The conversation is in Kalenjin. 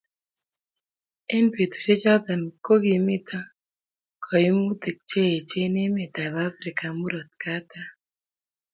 eng' betusiechoto ko kimito kaimutik che echen emetab Afrikait murot katam